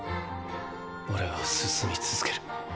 オレは進み続ける。